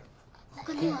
他には？